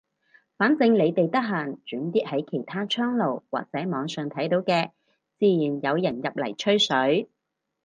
反正你哋得閒轉啲喺其他窗爐或者網上睇到嘅，自然有人入嚟吹水。